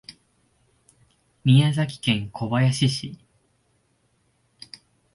宮崎県小林市